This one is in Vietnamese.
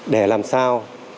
để làm sao